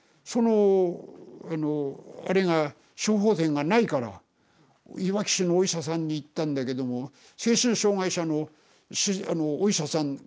そのあのあれが処方箋がないからいわき市のお医者さんに行ったんだけども精神障害者のお医者さん